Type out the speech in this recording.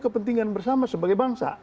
kepentingan bersama sebagai bangsa